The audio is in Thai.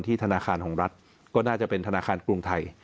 ธนาคารของรัฐก็น่าจะเป็นธนาคารกรุงไทย